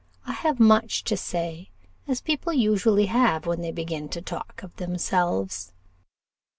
I have much to say, as people usually have when they begin to talk of themselves.